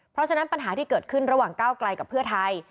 เพราะฉะนั้นปัญหาที่เกิดขึ้นระหว่างก้าวไกลกับเพื่อไทย